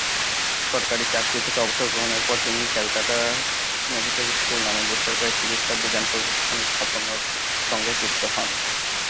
সরকারী চাকরি থেকে অবসর গ্রহণের পর তিনি ক্যালকাটা মেডিক্যাল স্কুল নামের বেসরকারী চিকিৎসা বিজ্ঞান শিক্ষাপ্রতিষ্ঠান স্থাপনের সঙ্গে যুক্ত হন।